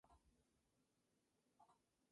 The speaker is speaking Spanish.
Florece y fructifica de marzo a mayo.